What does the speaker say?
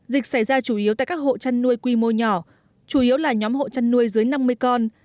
dịch xảy ra chủ yếu tại các hộ chăn nuôi quy mô nhỏ chủ yếu là nhóm hộ chăn nuôi dưới năm mươi con